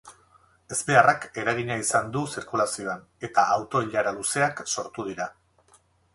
Ezbeharrak eragina izan du zirkulazioan, eta auto-ilara luzeak sortu dira.